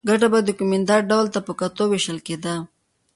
ګټه به د کومېندا ډول ته په کتو وېشل کېده